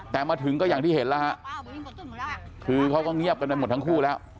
แต่มาถึงก็อย่างที่เห็นแล้วฮะคือเขาก็เงียบกันไปหมดทั้งคู่แล้ว